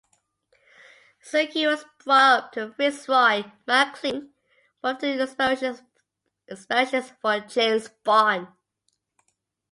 Suki was brought up by Fitzroy Maclean, one of the inspirations for James Bond.